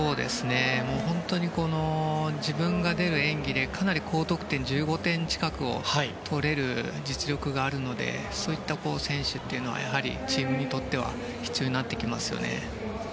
本当に自分が出る演技でかなり高得点、１５点近くを取れる実力があるのでそういった選手というのはチームにとっては必要になってきますよね。